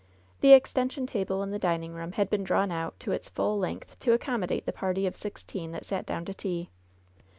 The extension table in the dining room had been drawn out to its full length to accommodate the party of sixteen that sat down to tea.